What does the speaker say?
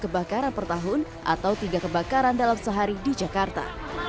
kebakaran per tahun atau tiga kebakaran dalam sehari di jakarta